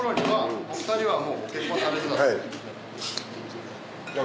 はい。